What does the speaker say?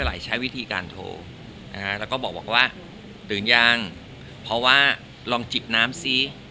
แล้วก็บอกว่าตื่นยังเพราะว่าลองจิบน้ำซิ